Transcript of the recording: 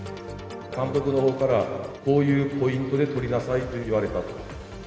監督のほうからこういうポイントで撮りなさいと言われた。